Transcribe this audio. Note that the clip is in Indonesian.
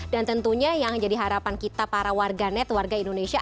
dan tentunya yang menjadi harapan kita para warga net warga indonesia